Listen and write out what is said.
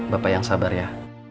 bapak yang sabar ya